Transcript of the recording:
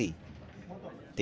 tim liputan transmedia